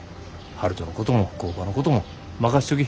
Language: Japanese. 悠人のことも工場のことも任しとき。